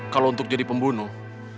kalau untuk jadi pembunuh